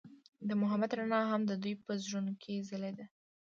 د محبت رڼا هم د دوی په زړونو کې ځلېده.